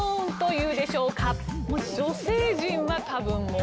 もう女性陣は多分もう。